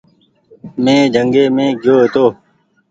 مينٚ جنگي مينٚ گيو هيتو